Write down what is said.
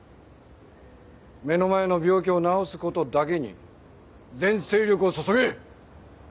目の前の病気を治すことだけに全精力を注げ！